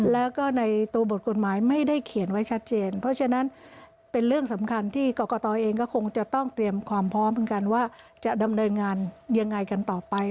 แล้วก็ในตัวบทกฎหมายไม่ได้เขียนไว้ชัดเจนเพราะฉะนั้นเป็นเรื่องสำคัญที่กรกตเองก็คงจะต้องเตรียมความพร้อมเหมือนกันว่าจะดำเนินงานยังไงกันต่อไป